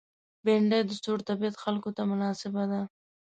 بېنډۍ د سوړ طبیعت خلکو ته مناسبه ده